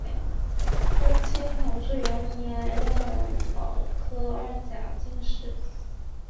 登清同治元年壬戌科二甲进士。